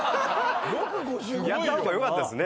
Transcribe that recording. やった方がよかったっすね。